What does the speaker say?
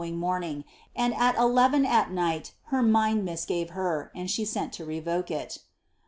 ing morning ; and al eleven at oight her miud misgave her, and she h to revoke it.